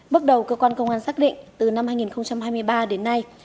bước đầu cơ quan công an xác định từ năm hai nghìn hai mươi ba đến nay